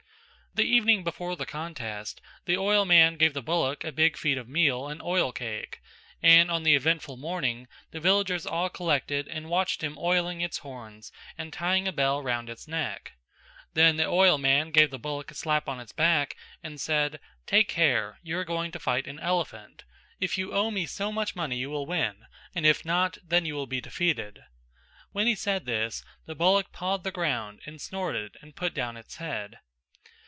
The evening before the contest the oilman gave the bullock a big feed of meal and oilcake; and on the eventful morning the villagers all collected and watched him oiling its horns and tying a bell round its neck. Then the oilman gave the bullock a slap on its back and said "Take care: you are going to fight an elephant; if you owe me so much money you will win, and if not, then you will be defeated." When he said this the bullock pawed the ground and snorted and put down its head.